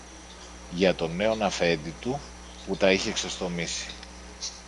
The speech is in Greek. για τον νέον Αφέντη του που τα είχε ξεστομίσει.